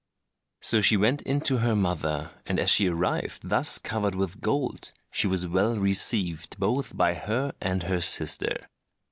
So she went in to her mother, and as she arrived thus covered with gold, she was well received, both by her and her sister.